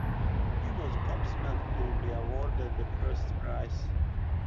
He was gobsmacked to be awarded the first prize.